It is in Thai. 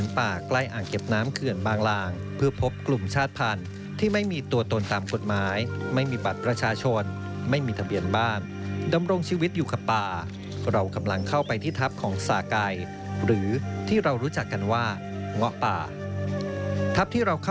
พร้อมหรือยังไปเที่ยวกับคุณไกรกันค่ะ